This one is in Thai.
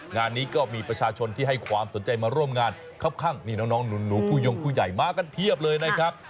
งานนี้ก็มีประชาชนที่ให้ความสนใจมาร่วมงานครับข้างนี่น้องหนูผู้ยงผู้ใหญ่มากันเพียบเลยนะครับ